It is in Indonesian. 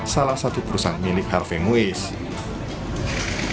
salah satu perusahaan milik harvey moise